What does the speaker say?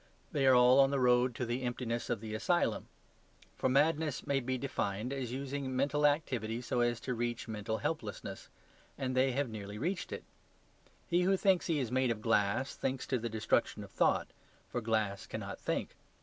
They are all on the road to the emptiness of the asylum. For madness may be defined as using mental activity so as to reach mental helplessness; and they have nearly reached it. He who thinks he is made of glass, thinks to the destruction of thought; for glass cannot think.